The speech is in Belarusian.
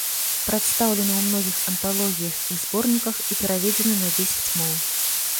Прадстаўлены ў многіх анталогіях і зборніках і пераведзены на дзесяць моў.